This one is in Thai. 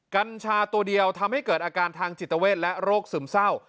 กัญชาตัวเดียวทำให้เกิดอาการทางจิตเวทและโรคซึมเศร้า